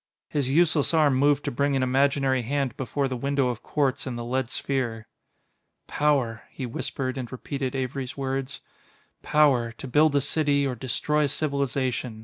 His useless arm moved to bring an imaginary hand before the window of quartz in the lead sphere. "Power," he whispered and repeated Avery's words; "power, to build a city or destroy a civilization ...